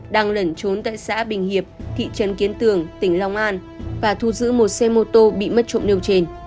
đang lẩn trốn tại xã bình hiệp thị trấn kiến tường tỉnh long an và thu giữ một xe mô tô bị mất trộm nêu trên